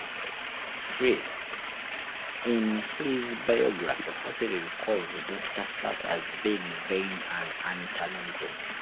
Frith; in his biography Horsley recalls Doctor Sass as being vain and untalented.